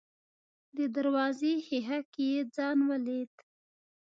د دروازې ښيښه کې يې ځان وليد.